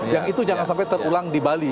yang itu jangan sampai terulang di bali